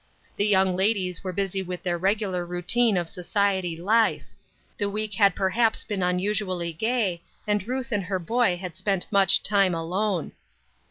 The young ladies were busy with their regular routine of society life ; the week had perhaps been unusually gay, and Ruth and her boy had spent much time alone.